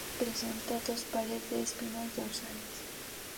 El telson presenta dos pares de espinas dorsales.